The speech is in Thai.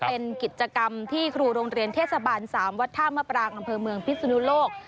เป็นกิจกรรมที่ครูโรงเรียนเทศบาล๓วัดท่ามปรางอำเภอเมืองพิศนุโลก